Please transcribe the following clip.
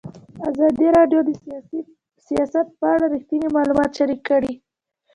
ازادي راډیو د سیاست په اړه رښتیني معلومات شریک کړي.